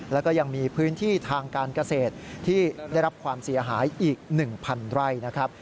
แล้วก็ยังมีพื้นที่ทางการเกษตรที่ได้รับความเสียหายอีก๑๐๐ไร่นะครับ